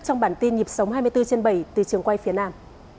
trong bản tin nhịp sống hai mươi bốn trên bảy từ trường quay phía nam